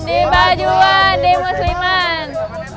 di bajuan di musliman